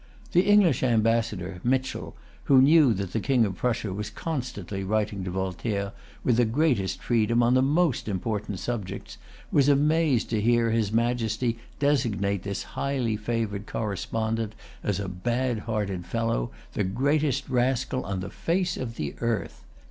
The English ambassador, Mitchell, who knew that the King of Prussia was constantly writing to Voltaire with the greatest freedom on the most important subjects, was amazed to hear his Majesty designate this highly favored correspondent as a bad hearted fellow, the greatest rascal on the face of the earth.